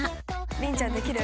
麟ちゃんできる？